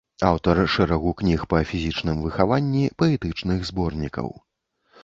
Аўтар шэрагу кніг па фізічным выхаванні, паэтычных зборнікаў.